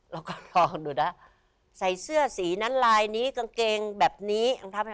ลองก็ลองดูนะใส่เสื้อสีนั้นลายนี้กางเกงแบบนี้